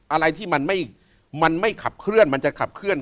อะไรที่มันไม่ขับเคลื่อนมันจะขับเคลื่อน